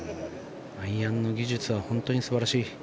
アイアンの技術は本当に素晴らしい。